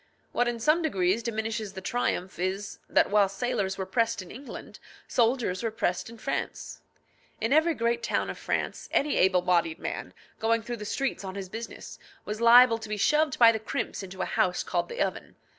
What in some degree diminishes the triumph is, that while sailors were pressed in England, soldiers were pressed in France. In every great town of France, any able bodied man, going through the streets on his business, was liable to be shoved by the crimps into a house called the oven.